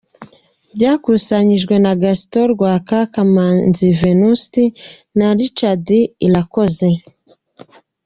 Byakusanyijwe na : Gaston Rwaka, Kamanzi Venuste na Richard Irakoze.